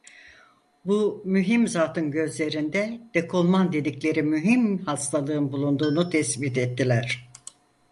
Bu mühim zatın gözlerinde dekolman dedikleri mühim hastalığın bulunduğunu tespit ettiler.